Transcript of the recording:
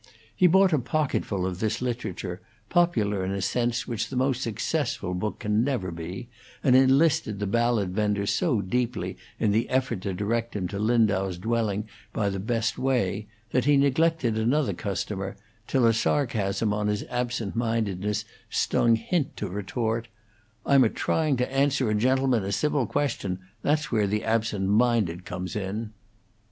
He bought a pocketful of this literature, popular in a sense which the most successful book can never be, and enlisted the ballad vendor so deeply in the effort to direct him to Lindau's dwelling by the best way that he neglected another customer, till a sarcasm on his absent mindedness stung hint to retort, "I'm a trying to answer a gentleman a civil question; that's where the absent minded comes in."